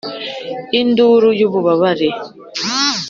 induru y'ububabare,